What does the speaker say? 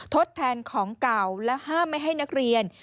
ทดแทนของเก่าและห้ามไม่ให้นักเรียน